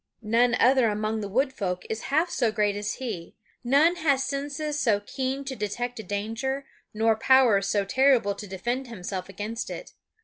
None other among the wood folk is half so great as he; none has senses so keen to detect a danger, nor powers so terrible to defend himself against it.